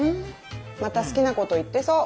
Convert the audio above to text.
また好きなこと言ってそう。